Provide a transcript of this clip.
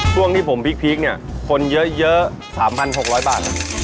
ช่วงที่ผมพลิกเนี่ยคนเยอะสามพันหกร้อยบาท